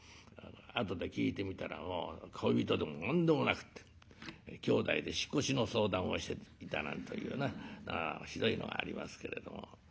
後で聞いてみたら恋人でも何でもなくってきょうだいで引っ越しの相談をしていたなんというなひどいのがありますけれども。